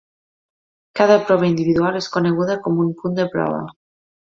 Cada prova individual és coneguda com un punt de prova.